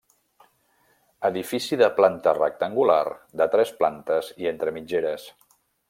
Edifici de planta rectangular de tres plantes i entre mitgeres.